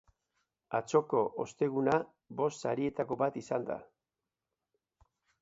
Atzoko, osteguna, bost sarietako bat izan da.